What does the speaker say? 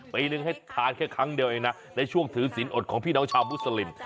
ปีนึงให้ทานแค่ครั้งเดียวเองนะในช่วงถือศีลอดของพี่น้องชาวมุสลิม